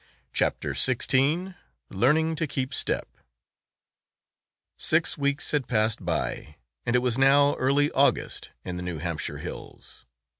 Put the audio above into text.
CHAPTER XVI LEARNING TO KEEP STEP Six weeks had passed by and it was now early August in the New Hampshire hills.